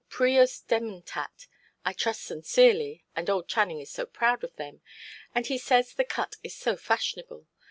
Prius dementat. I trust sincerely—and old Channing is so proud of them, and he says the cut is so fashionable.